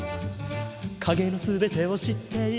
「影の全てを知っている」